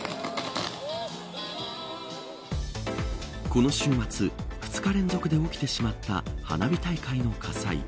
この週末２日連続で起きてしまった花火大会の火災。